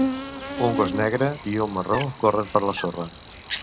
Un gos negre i un marró corren per la sorra.